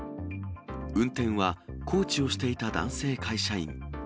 運転はコーチをしていた男性会社員。